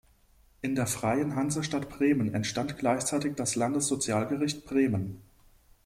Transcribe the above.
In der Freien Hansestadt Bremen entstand gleichzeitig das Landessozialgericht Bremen.